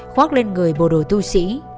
khoác lên người bồ đồ tu sĩ